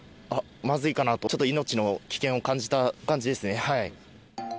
あっ、まずいかなと、ちょっと命の危険を感じた感じですね。